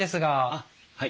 あっはい。